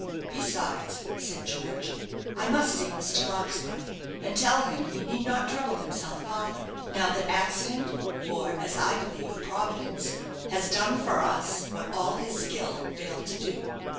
"Besides," said George, "I must see Mr. Larkspur, and tell him he need not trouble himself farther; now that accident, or, as I believe Providence, has done for us what all his skill failed to do."